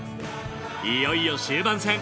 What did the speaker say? いよいよ終盤戦。